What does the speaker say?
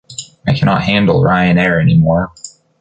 I cannot handle Ryan Air anymore.